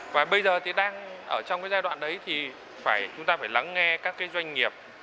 và bây giờ thì đang ở trong cái giai đoạn đấy thì chúng ta phải lắng nghe các cái doanh nghiệp